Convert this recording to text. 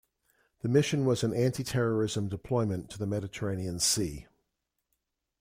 The mission was an anti-terrorism deployment to the Mediterranean Sea.